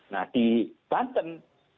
nah di banten